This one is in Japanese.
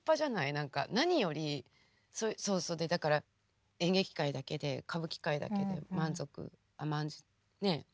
何か何よりそうそうだから演劇界だけで歌舞伎界だけで満足甘んじねえ？